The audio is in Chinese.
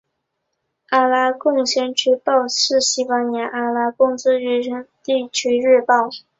阿拉贡先驱报是西班牙阿拉贡自治区首府萨拉戈萨市发行的地区日报。